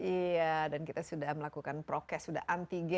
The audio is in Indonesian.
iya dan kita sudah melakukan prokes sudah anti gen